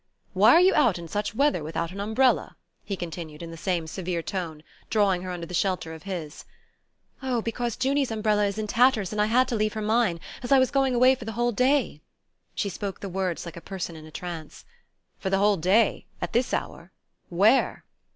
"Why are you out in such weather without an umbrella?" he continued, in the same severe tone, drawing her under the shelter of his. "Oh, because Junie's umbrella is in tatters, and I had to leave her mine, as I was going away for the whole day." She spoke the words like a person in a trance. "For the whole day? At this hour? Where?"